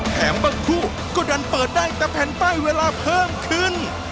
บางคู่ก็ดันเปิดได้แต่แผ่นป้ายเวลาเพิ่มขึ้น